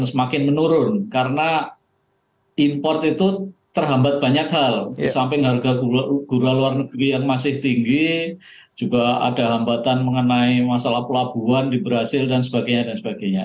semakin menurun karena import itu terhambat banyak hal di samping harga gula luar negeri yang masih tinggi juga ada hambatan mengenai masalah pelabuhan di brazil dan sebagainya dan sebagainya